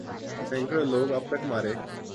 سینکڑوں لوگ اب تک مارے